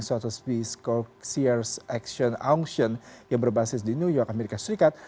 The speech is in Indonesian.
sotosvisko sears action aungtion yang berbasis di new york amerika serikat